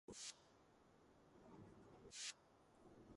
ცნობილია ჩრდილოეთ და სამხრეთ პლეისტოცენური ნალექებიდან.